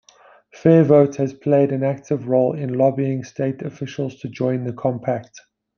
FairVote has played an active role in lobbying state officials to join the compact.